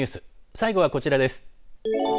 最後はこちらです。